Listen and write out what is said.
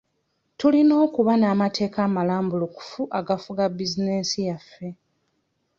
Tulina okuba n'amateeka amalambulukufu agafuga bizinensi yaffe.